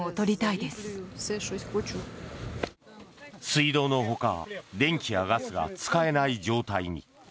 水道のほか電気やガスが使えない状態に。